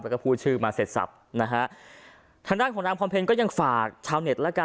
แล้วก็พูดชื่อมาเสร็จสับนะฮะทางด้านของนางพรเพลก็ยังฝากชาวเน็ตแล้วกัน